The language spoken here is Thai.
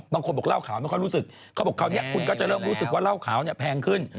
บางคนบอกเล่าขาวไม่ค่อยรู้สึกเขาบอกคราวนี้คุณก็จะเริ่มรู้สึกว่าเหล้าขาวเนี่ยแพงขึ้น